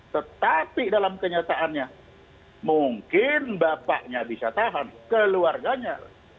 tetapi dalam kenyataannya mungkin bapaknya bisa tahan keluarganya